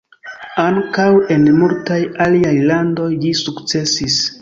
Ankaŭ en multaj aliaj landoj ĝi sukcesis.